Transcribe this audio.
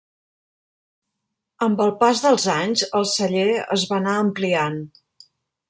Amb el pas dels anys, el celler es va anar ampliant.